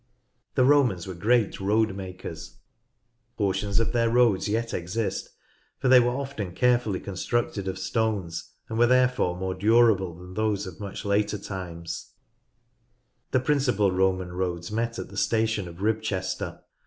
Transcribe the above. The Romans were great road makers. Portions of their roads yet exist, for they were often carefully con structed of stones, and were therefore more durable than those of much later times. 142 NORTH LANCASHIRE The principal Roman roads met at the station of Ribchester.